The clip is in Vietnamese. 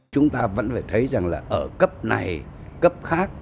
chúng ta vẫn phải thấy rằng là ở cấp này cấp khác